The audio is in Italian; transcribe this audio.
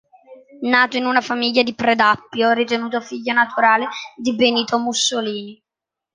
Nato in una famiglia di Predappio, ritenuto figlio naturale di Benito Mussolini.